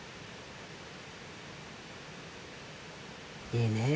いいねえ。